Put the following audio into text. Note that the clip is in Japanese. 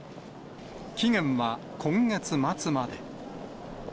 期限は今月末まで。